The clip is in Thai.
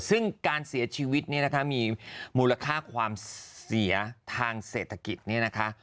ซึ่งการเสียชีวิตเนี่ยนะคะมีมูลค่าความเสียทางเศรษฐกิจเนี่ยนะคะ